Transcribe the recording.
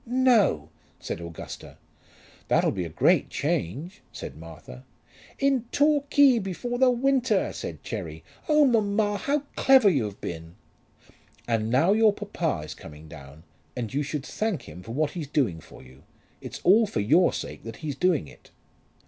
"No!" said Augusta. "That'll be a great change," said Martha. "In Torquay before the winter!" said Cherry. "Oh, mamma, how clever you have been!" "And now your papa is coming down, and you should thank him for what he's doing for you. It's all for your sake that he's doing it."